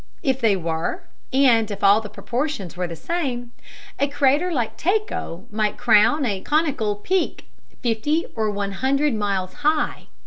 _ If they were, and if all the proportions were the same, a crater like Tycho might crown a conical peak fifty or one hundred miles high!